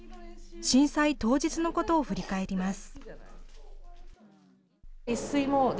震災当日のことを振り返ります。